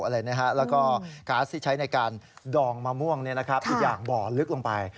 แล้วก็ก๊าซที่ใช้ในการดองมะม่วงอีกอย่างบ่อลึกลงไป